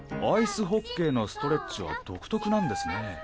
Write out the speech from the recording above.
アイスホッケーのストレッチは独特なんですね。